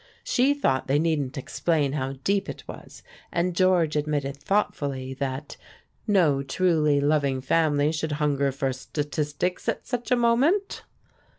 She thought they needn't explain how deep it was, and George admitted thoughtfully that "no truly loving family should hunger for statistics at such a moment."